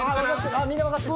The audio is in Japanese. あっみんな分かってる。